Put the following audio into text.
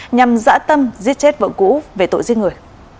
nhằm dã tâm giết chết vợ cũ về tội giết người